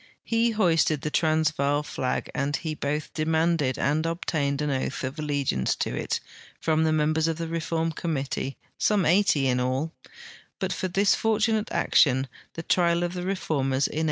He hoisted the Transvaal flag and he both demanded and obtained an oath of allegiance to it from the members of the reform committee, some eighty in all ; but for this fortunate action the trial of the reformers in April NAT.